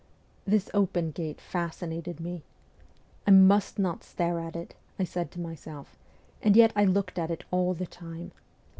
This open gate fascinated rne. ' I must not stare at it,' I said to myself ; and yet I looked at it all the time.